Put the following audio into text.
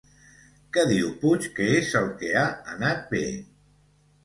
Què diu Puig que és el que ha anat bé?